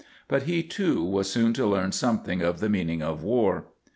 But he, too, was soon to learn something of the meaning of war.